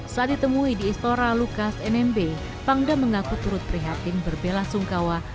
saat ditemui di istora lukas nmb pangdam mengaku turut prihatin berbela sungkawa